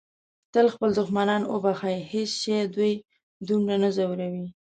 تل خپل دښمنان وبښئ. هیڅ شی دوی دومره نه ځوروي.